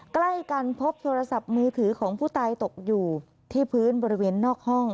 ใกล้กันพบโทรศัพท์มือถือของผู้ตายตกอยู่ที่พื้นบริเวณนอกห้อง